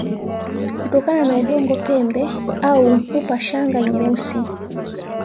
kutokana na udongo pembe au mfupa Shanga nyeusi